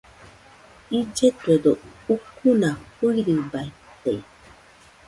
Illetuedo ucuna fɨirɨbaite.